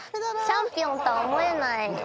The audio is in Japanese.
チャンピオンとは思えない。